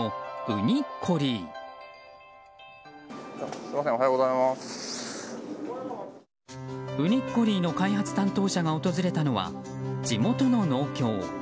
ウニッコリーの開発担当者が訪れたのは地元の農協。